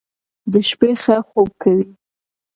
د شپې ښه خوب کوئ.